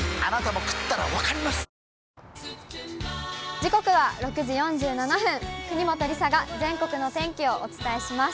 時刻は６時４７分、国本梨紗が全国の天気をお伝えします。